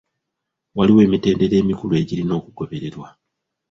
Waliwo emitendera emikulu egirina okugobererwa.